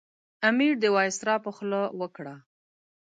امیر د وایسرا په خوله وکړه.